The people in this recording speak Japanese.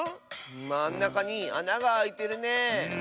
まんなかにあながあいてるね。